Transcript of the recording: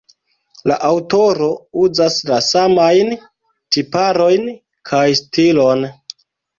La aŭtoro uzas la samajn tiparojn kaj stilon.